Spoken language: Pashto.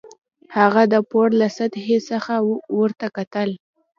هغه د پوړ له سطحې څخه ورته وکتل